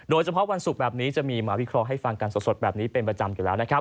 วันศุกร์แบบนี้จะมีมาวิเคราะห์ให้ฟังกันสดแบบนี้เป็นประจำอยู่แล้วนะครับ